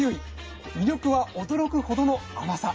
魅力は驚くほどの甘さ。